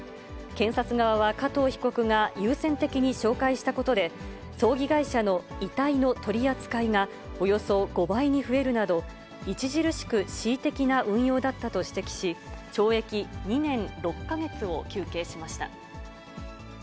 検察側は、加藤被告が優先的に紹介したことで、葬儀会社の遺体の取り扱いが、およそ５倍に増えるなど、著しく恣意的な運用だったと指摘し、懲役２年６か月を求刑しました。